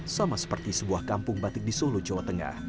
sama seperti sebuah kampung batik di solo jawa tengah